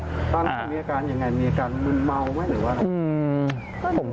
ตอนนี้มีอาการยังไงมีอาการมึนเมาไหมหรือว่า